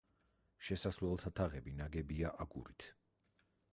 შესასვლელთა თაღები ნაგებია აგურით.